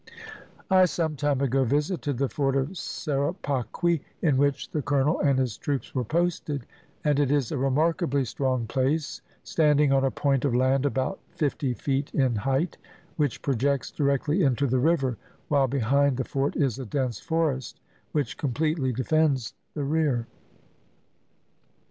"I some time ago visited the fort of Serapaqui, in which the colonel and his troops are posted, and it is a remarkably strong place, standing on a point of land about fifty feet in height, which projects directly into the river, while behind the fort is a dense forest, which completely defends the rear.